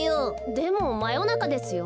でもまよなかですよ。